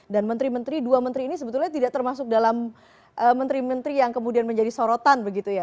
dan menteri menteri dua menteri ini sebetulnya tidak termasuk dalam menteri menteri yang kemudian menjadi sorotan begitu ya